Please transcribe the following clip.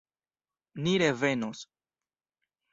Ni revenos!